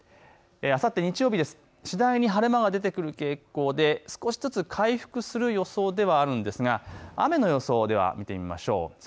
あさって日曜日、次第に晴れ間が出てくる傾向で少しづつ回復する予想ではありますが雨の予想を見てみましょう。